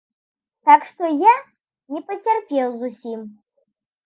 Так што я не пацярпеў зусім.